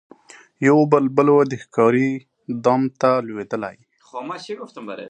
یو بلبل وو د ښکاري دام ته لوېدلی